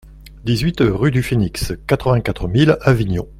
dix-huit rue du Phénix, quatre-vingt-quatre mille Avignon